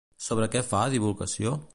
Sobre què fa divulgació?